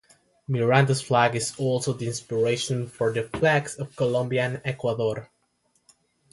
Miranda's flag is also the inspiration for the flags of Colombia and Ecuador.